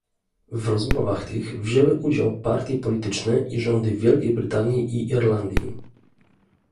W rozmowach tych wzięły udział partie polityczne i rządy Wielkiej Brytanii i Irlandii